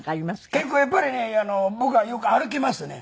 結構やっぱりね僕はよく歩きますね。